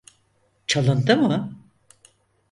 Çalındı mı?